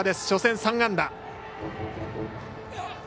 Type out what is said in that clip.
初戦、３安打。